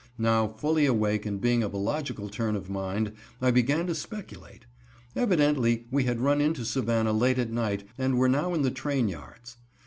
Now fully awake and being of a logical turn of mind, I began to speculate. Evidently, we had run into Savannah late at night and were now in the train yards.